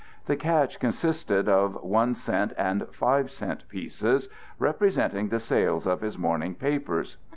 The catch consisted of one cent and five cent pieces, representing the sales of his morning papers.